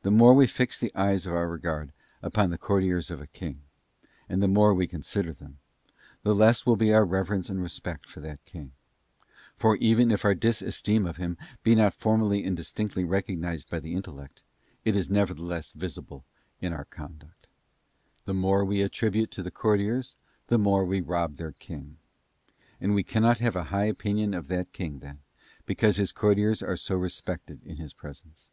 The more we fix the eyes of our regard upon the courtiers of a king, and the more we consider them, the less will *be our reverence and respect for that king; for, even if our disesteem of him be not formally and distinctly recognised by the intellect, it is nevertheless visible in our conduct. *$.Johni.18. f Is, lxiv. 4.; 1 Cor. ii. 9. { Ex, xxxiii. 20. Analogy of a king and his courtiers. zook The more we attribute to the courtiers the more we rob their king; and we cannot have a high opinion of that king then, because his courtiers are so respected in his presence.